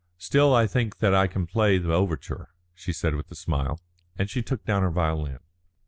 "Still I think that I can play the overture," she said with a smile, and she took down her violin.